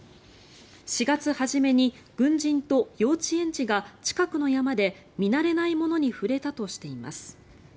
４月初めに軍人と幼稚園児が近くの山で見慣れないものに触れたとしています。